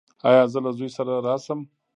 ایا زه له زوی سره راشم؟